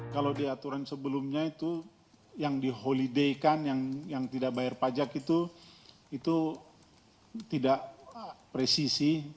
kalau di aturan sebelumnya itu yang di holiday kan yang tidak bayar pajak itu itu tidak presisi